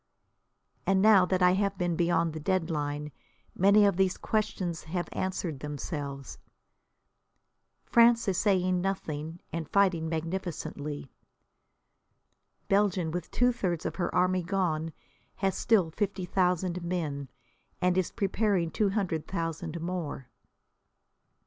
And now that I have been beyond the dead line many of these questions have answered themselves. France is saying nothing, and fighting magnificently, Belgium, with two thirds of her army gone, has still fifty thousand men, and is preparing two hundred thousand more.